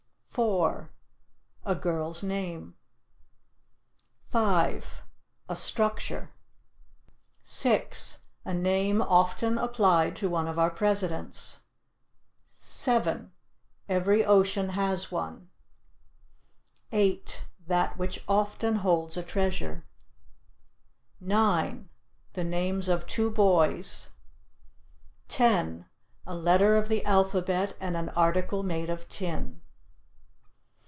4 (A Girl's name.) 5 (A structure.) 6 (A name often applied to one of our presidents.) 7 (Every Ocean has one.) 8 (That which often holds a treasure.) 9 (The names of two boys.) 10 (A letter of the alphabet and an article made of tin.)